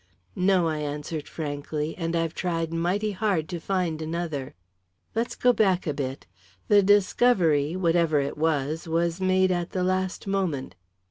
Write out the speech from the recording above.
"No," I answered frankly. "And I've tried mighty hard to find another." "Let's go back a bit. The discovery whatever it was was made at the last moment."